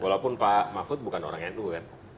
walaupun pak mahfud bukan orang nu kan